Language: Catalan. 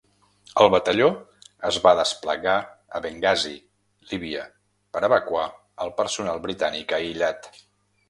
El batalló es va desplegar a Bengasi, Líbia, per evacuar el personal britànic aïllat.